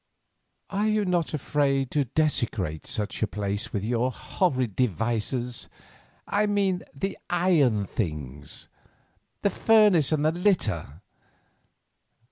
"Are you not afraid to desecrate such a place with your horrid vices—I mean the iron things—and furnace and litter?"